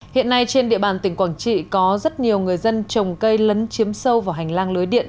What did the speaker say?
hiện nay trên địa bàn tỉnh quảng trị có rất nhiều người dân trồng cây lấn chiếm sâu vào hành lang lưới điện